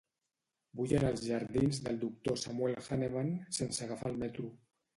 Vull anar als jardins del Doctor Samuel Hahnemann sense agafar el metro.